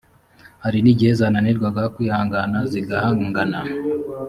hari n ‘igihe zananirwaga kwihangana zigahangana.